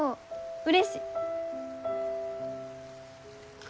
うれしい。